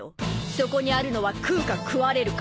そこにあるのは食うか食われるか。